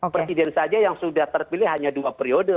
presiden saja yang sudah terpilih hanya dua periode